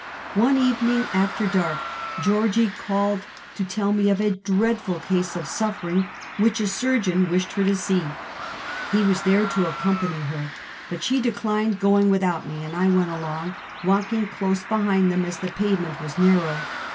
One evening after dark, Georgie call ed to tell me of a dreadful case of sufiering which a sur geon wished her to see. He was there to accompany he]', but she declined going without me, and I went along, walking close behind them, as the pavement was nar row.